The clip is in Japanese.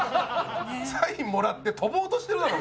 サインもらって飛ぼうとしてるのか？